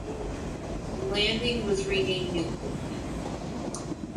The landing was renamed "Newport".